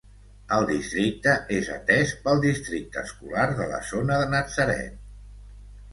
El districte és atès pel districte escolar de la zona de Natzaret.